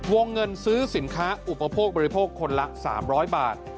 วงเงินซื้อสินค้าอุปโภคบริโภคคนละ๓๐๐บาท